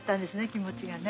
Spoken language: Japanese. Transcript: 気持ちがね。